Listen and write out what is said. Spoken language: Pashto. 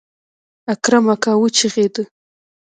اکرم اکا وچغېده.